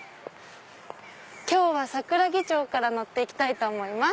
今日は桜木町から乗って行きたいと思います。